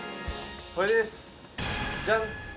これですジャン！